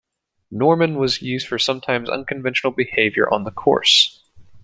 Norman was known for sometimes unconventional behavior on the course.